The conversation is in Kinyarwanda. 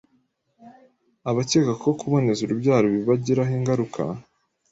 Abakeka ko kuboneza urubyaro bibagiraho ingaruka